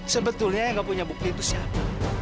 sebetulnya yang gak punya bukti itu siapa